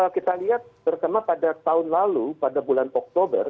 kita lihat terutama pada tahun lalu pada bulan oktober